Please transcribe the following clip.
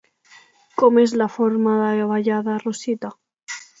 Com és la forma de ballar de Rosita?